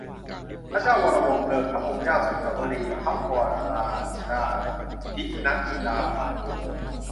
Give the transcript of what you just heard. พระเจ้าวรวงศ์เธอ พระองค์เจ้าโสมสวลี พระวรราชาทินัดดามาตุ